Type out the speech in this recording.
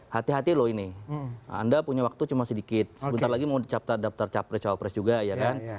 hati hati loh ini anda punya waktu cuma sedikit sebentar lagi mau captar daftar capres cawapres juga ya kan